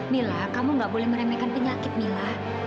mila kamu gak boleh meremehkan penyakit mila